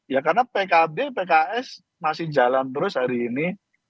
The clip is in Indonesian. ya karena pkb pks masih jalan terus hari ini